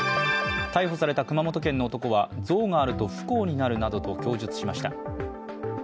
逮捕された熊本県の男は像があると不幸になるなどと供述しました。